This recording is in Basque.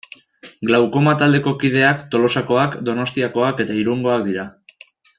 Glaukoma taldeko kideak Tolosakoak, Donostiakoak eta Irungoak dira.